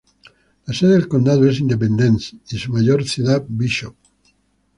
La sede del condado es Independence y su mayor ciudad Bishop.